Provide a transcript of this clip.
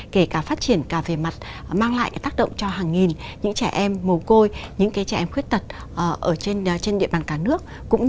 kể cả phát triển cả về mặt mang lại tác động cho hàng nghìn những trẻ em mồ côi những trẻ em khuyết tật trên địa bàn cả nước